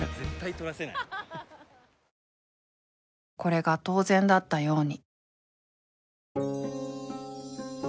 ［これが当然だったように］